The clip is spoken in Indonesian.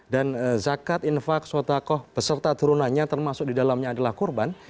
dan zakat infak swatakoh beserta turunannya termasuk di dalamnya adalah kurban